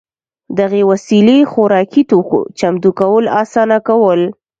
دغې وسیلې خوراکي توکو چمتو کول اسانه کول